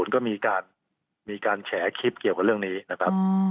ก็มีการแฉคลิปเกี่ยวกับเรื่องนี้นะครับ